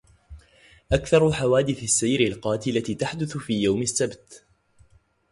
أكثر حوادث السير القاتلة تحدث في يوم السبت.